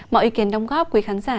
mọi ý kiến đóng góp quý khán giả